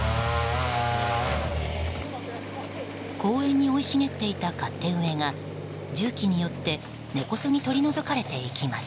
公園に生い茂っていた勝手植えが重機によって根こそぎ取り除かれていきます。